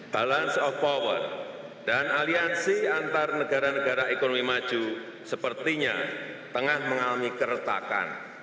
balance of power dan aliansi antar negara negara ekonomi maju sepertinya tengah mengalami keretakan